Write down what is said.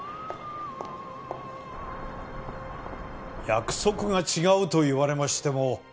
約束が違うと言われましても。